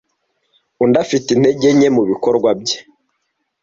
undi ufite intege nke mubikorwa bye